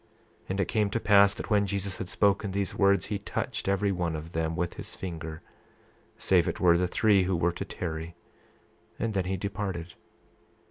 28:12 And it came to pass that when Jesus had spoken these words, he touched every one of them with his finger save it were the three who were to tarry, and then he departed.